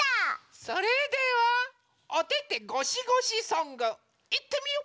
それでは「おててごしごしソング」いってみよ！